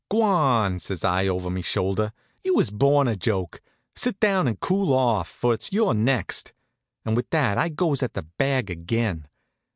"G'wan!" says I over me shoulder. "You was born a joke. Sit down and cool off; for it's your next," and with that I goes at the bag again.